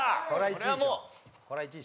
これはもう！